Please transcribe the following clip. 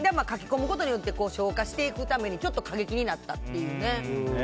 書き込むことによって消化していくためにちょっと過激になったっていうね。